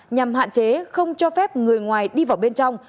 nhằm hạn chế không cho phép người ngoài đi vào bên trong